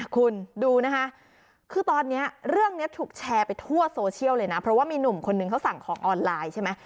คุณดูนะคะคือตอนนี้เรื่องนี้ถูกแชร์ไปทั่วโซเชียลเลยนะเพราะว่ามีหนุ่มคนนึงเขาสั่งของออนไลน์ใช่ไหม